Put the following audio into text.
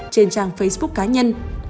trên trang facebook cá nhân